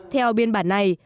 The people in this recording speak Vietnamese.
theo biên bản này